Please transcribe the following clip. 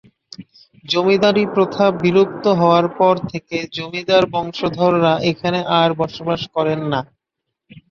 জমিদারী প্রথা বিলুপ্ত হওয়ার পর থেকে জমিদার বংশধররা এখানে আর বসবাস করেন না।